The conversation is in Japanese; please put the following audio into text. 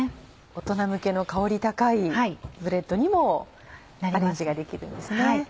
大人向けの香り高いブレッドにもアレンジができるんですね。